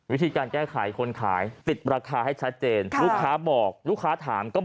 วิธีการแก้ไขคนขายติดราคาให้ชัดเจน